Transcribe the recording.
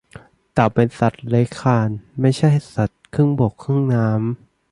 เต่าเป็นสัตว์เลื้อยคลานไม่ใช่สัตว์ครึ่งบกครึ่งน้ำ